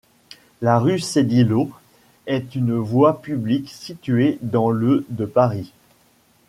La rue Sédillot est une voie publique située dans le de Paris.